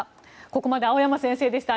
ここまで青山先生でした。